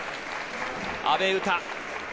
阿部詩。